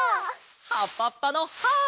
「はっぱっぱのハーッ！」